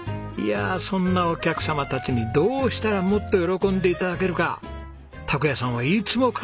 そんなお客様たちにどうしたらもっと喜んで頂けるか拓也さんはいつも考えてます。